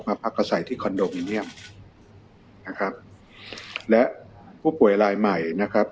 พักอาศัยที่คอนโดมิเนียมนะครับและผู้ป่วยรายใหม่นะครับ